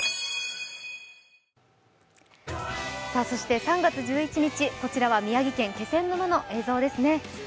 そして３月１１日、こちらは宮城県気仙沼の映像ですね。